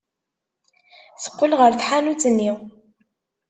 Teqqel ɣer tḥanut-nni.